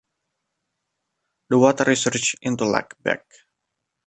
The water resurges into Leck Beck.